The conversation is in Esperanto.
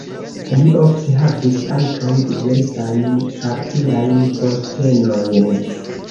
Li ofte havis ankaŭ diversajn partiajn postenojn.